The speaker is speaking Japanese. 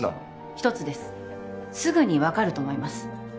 １つですすぐに分かると思います